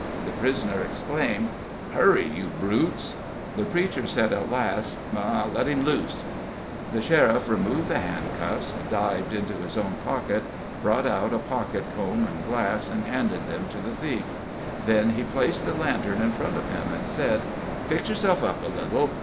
The prisoner exclaimed: "Hurry, you brutes!" The preacher said, at last: "Let him loose." The sheriff removed the handcuffs, dived into his own pocket, brought out a pocket comb and glass, and handed them to the thief; then he placed the lantern in front of him, and said: "Fix yourself up a little.